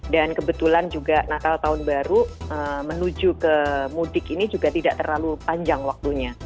dan kebetulan juga natal tahun baru menuju ke mudik ini juga tidak terlalu panjang waktunya